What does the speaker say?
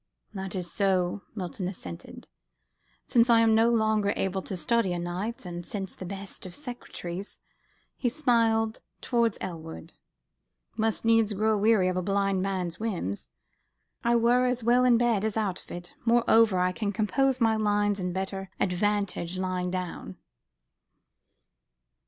"That is so," Milton assented, "since I am no longer able to study o' nights, and since the best of secretaries," he smiled towards Elwood "must needs grow weary of a blind man's whims, I were as well in bed as out of it. Moreover, I can compose my lines to better advantage lying down."